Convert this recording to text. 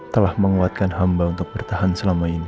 telah menguatkan hamba untuk bertahan selama ini